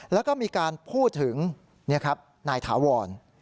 แล้วก็มีการพูดถึงนายถาวร